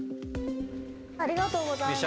ありがとうございます。